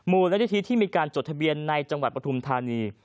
มูลนิธิที่มีการจดทะเบียนในจังหวัดปฐุมธานี